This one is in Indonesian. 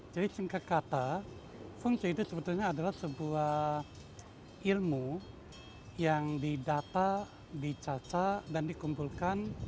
jadi singkat kata feng shui itu sebetulnya adalah sebuah ilmu yang didata dicaca dan dikumpulkan